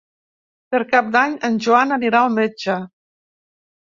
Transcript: Per Cap d'Any en Joan anirà al metge.